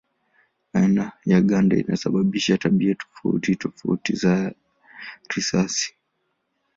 Aina ya ganda inasababisha tabia tofauti tofauti za risasi.